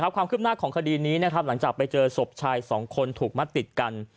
ความคืบหน้าของคดีนี้นะครับหลังจากไปเจอศพชายสองคนถูกมัดติดกัน